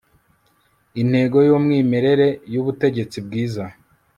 intego y'umwimerere y'ubutegetsi bwiza